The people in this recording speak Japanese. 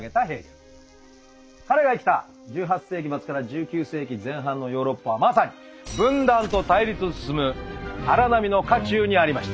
彼が生きた１８世紀末から１９世紀前半のヨーロッパはまさに分断と対立進む荒波の渦中にありました。